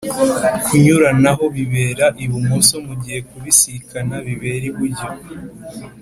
kunyuranaho bibera ibumoso ,mugihe kubisikana bibera iburyo